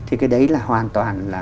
thì cái đấy là hoàn toàn là